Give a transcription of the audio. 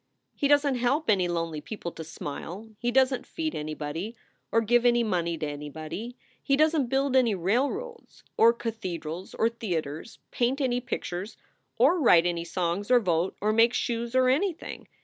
He doesn t help any lonely people to smile; he doesn t feed anybody, or give any money to anybody; he doesn t build any railroads or cathedrals or theaters, paint any pictures or write any songs or vote or make shoes or anything.